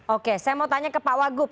oke saya mau tanya ke pak wagub